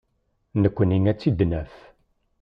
Nekkni ad tt-id-naf.